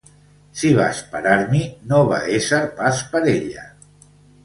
Si vaig parar-m'hi, no va ésser pas per ella